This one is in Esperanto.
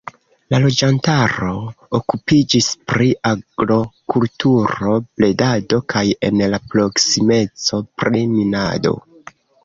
La loĝantaro okupiĝis pri agrokulturo, bredado kaj en la proksimeco pri minado.